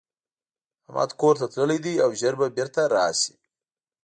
احمدکورته تللی دی او ژر به بيرته راشي.